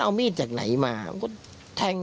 เราก็ทัง